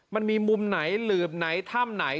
มันมีมุมไหนหลืบไหนถ้ำไหน